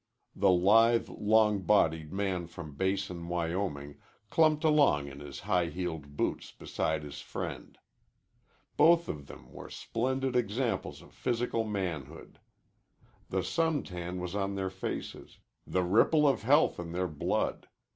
The lithe, long bodied man from Basin, Wyoming, clumped along in his high heeled boots beside his friend. Both of them were splendid examples of physical manhood. The sun tan was on their faces, the ripple of health in their blood.